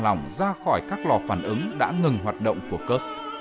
chọn lòng ra khỏi các lò phản ứng đã ngừng hoạt động của kursk